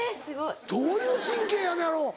どういう神経やのやろ？